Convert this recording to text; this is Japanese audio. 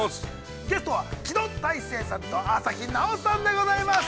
ゲストは、木戸大聖さんと、朝日奈央さんでございます。